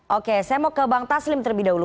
oke saya mau ke bang taslim terlebih dahulu